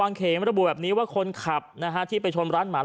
และยืนยันเหมือนกันว่าจะดำเนินคดีอย่างถึงที่สุดนะครับ